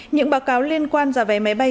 những báo cáo liên quan ra vé máy bay